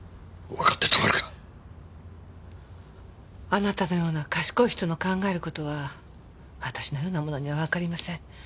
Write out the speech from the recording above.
あなたのような賢い人の考える事は私のような者にはわかりません。